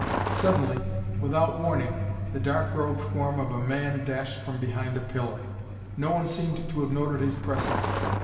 Suddenly, without warning, the dark robed form of a man dashed from behind a pillar. No one seemed to have noted his presence.